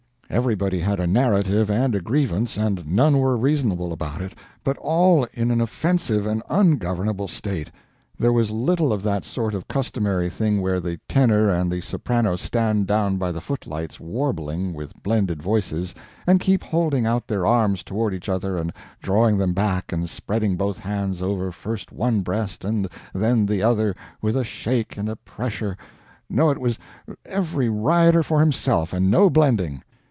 Everybody had a narrative and a grievance, and none were reasonable about it, but all in an offensive and ungovernable state. There was little of that sort of customary thing where the tenor and the soprano stand down by the footlights, warbling, with blended voices, and keep holding out their arms toward each other and drawing them back and spreading both hands over first one breast and then the other with a shake and a pressure no, it was every rioter for himself and no blending.